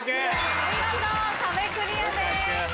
見事壁クリアです。